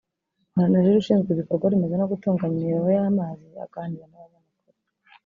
Mporana Jules ushinzwe ibikorwa remezo no gutunganya imiyoboro y’amazi aganira n’abanyamakuru